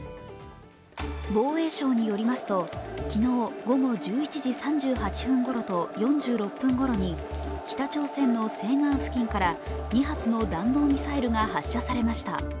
防衛省によりますと昨日午後１１時３８分ごろと４６分ごろに北朝鮮の西岸付近から２発の弾道ミサイルが発射されました。